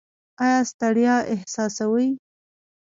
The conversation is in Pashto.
ایا ستړیا احساسوئ؟